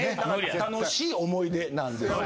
楽しい思い出なんですけど。